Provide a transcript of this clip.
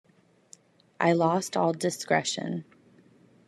I lost all discretion.